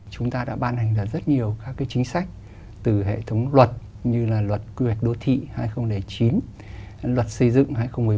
chúng ta đã ban hành rất nhiều các chính sách từ hệ thống luật như là luật quy hoạch đô thị hai nghìn chín luật xây dựng hai nghìn một mươi bốn